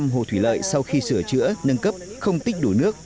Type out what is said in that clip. tám mươi hồ thủy lợi sau khi sửa chữa nâng cấp không tích đủ nước